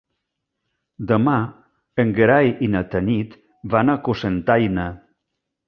Demà en Gerai i na Tanit van a Cocentaina.